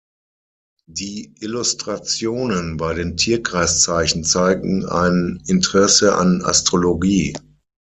Die Illustrationen bei den Tierkreiszeichen zeigen ein Interesse an Astrologie.